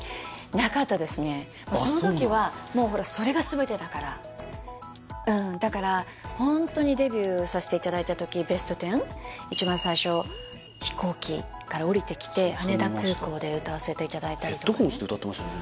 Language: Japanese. なかったですねうんだからホントにデビューさせていただいた時「ベストテン」一番最初飛行機から降りてきて羽田空港で歌わせていただいたりとかねヘッドホンして歌ってましたね